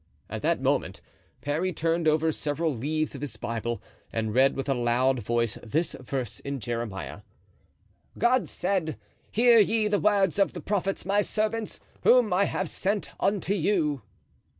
At that moment Parry turned over several leaves of his Bible and read with a loud voice this verse in Jeremiah: "God said, 'Hear ye the words of the prophets my servants, whom I have sent unto you.